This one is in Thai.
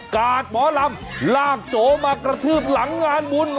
กาดหมอลำลากโจมากระทืบหลังงานบุญ